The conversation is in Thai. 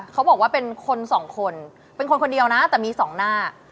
เขาบอกว่าเป็นคนสองคนเป็นคนคนเดียวนะแต่มีสองหน้า